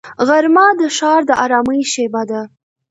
غرمه د ښار د ارامۍ شیبه ده